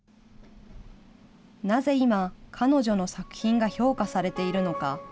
なぜ今、彼女の作品が評価されているのか。